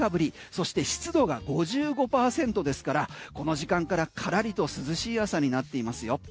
そして湿度が５５％ですからこの時間からカラリと涼しい朝になっていますよ。